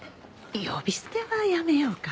呼び捨てはやめようか。